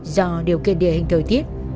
do điều kiện địa hình thời tiết